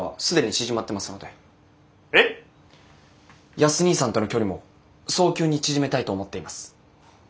康にぃさんとの距離も早急に縮めたいと思っています。